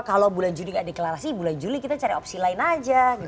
kalau bulan juni nggak deklarasi bulan juli kita cari opsi lain aja